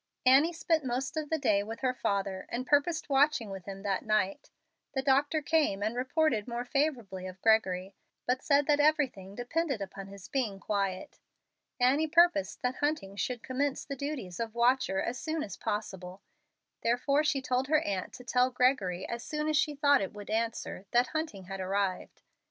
Annie spent most of the day with her father, and purposed watching with him that night. The doctor came and reported more favorably of Gregory, but said that everything depended upon his being quiet. Annie purposed that Hunting should commence the duties of watcher as soon as possible. Therefore she told her aunt to tell Gregory, as soon as she thought it would answer, that Hunting had arrived.